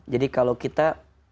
jadi kalau kita